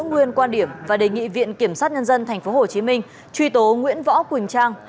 nguyên quan điểm và đề nghị viện kiểm sát nhân dân tp hcm truy tố nguyễn võ quỳnh trang